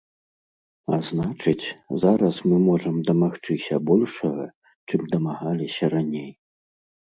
А значыць, зараз мы можам дамагчыся большага, чым дамагаліся раней.